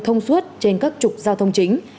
thông suốt trên các trục giao thông chính